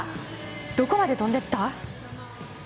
どこまで飛んでいった？